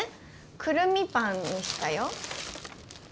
くるみパンにしたよ。